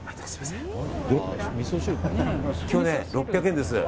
今日は６００円です。